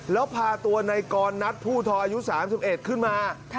แล้วพาตัวในกรนัดผู้ทออายุ๓๑ขึ้นมา